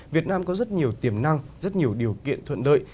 việt nam có rất nhiều tiềm năng rất nhiều điều kiện thuận lợi